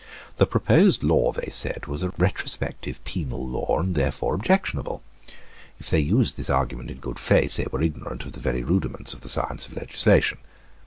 The proposed law, they said, was a retrospective penal law, and therefore objectionable. If they used this argument in good faith, they were ignorant of the very rudiments of the science of legislation.